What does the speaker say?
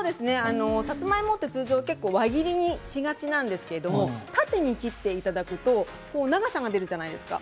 サツマイモって通常、輪切りにしがちなんですけど縦に切っていただくと、こう長さが出るじゃないですか。